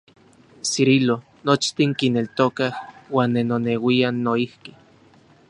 Cirilo, nochtin kineltokaj, uan ne noneuian noijki.